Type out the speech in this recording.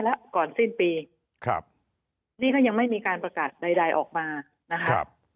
และก่อนสิ้นปีครับนี่ก็ยังไม่มีการประกาศใดออกมานะครับ